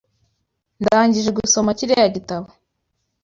Ndangije gusoma kiriya gitabo.